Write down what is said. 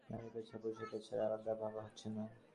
নারীর পেশা ও পুরুষের পেশা আর আলাদা করে ভাবা হচ্ছে না।